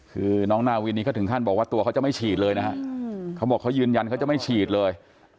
คือน้องนาวินนี้เขาถึงขั้นบอกว่าตัวเขาจะไม่ฉีดเลยนะฮะเขาบอกเขายืนยันเขาจะไม่ฉีดเลย